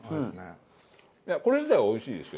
これ自体はおいしいですよ。